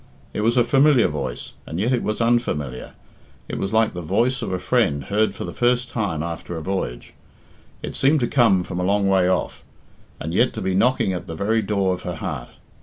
It was a familiar voice, and yet it was unfamiliar; it was like the voice of a friend heard for the first time after a voyage. It seemed to come from a long way off, and yet to be knocking at the very door of her heart.